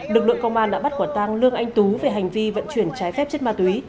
lực lượng công an đã bắt quả tang lương anh tú về hành vi vận chuyển trái phép chất ma túy